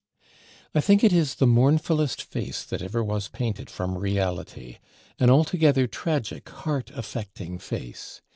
I think it is the mournfulest face that ever was painted from reality; an altogether tragic, heart affecting face.